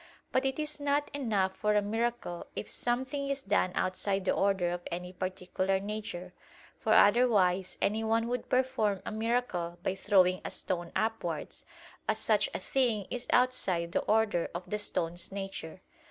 But it is not enough for a miracle if something is done outside the order of any particular nature; for otherwise anyone would perform a miracle by throwing a stone upwards, as such a thing is outside the order of the stone's nature.